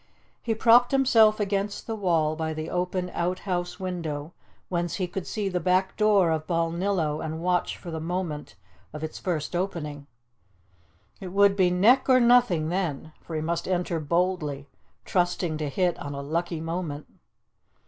He propped himself against the wall by the open outhouse window, whence he could see the back door of Balnillo and watch for the moment of its first opening. It would be neck or nothing then, for he must enter boldly, trusting to hit on a lucky moment.